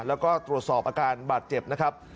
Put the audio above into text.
แล้วก็ตรวจสอบอาการบาดเจ็บนะครับ